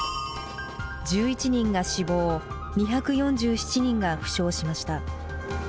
１１人が死亡２４７人が負傷しました。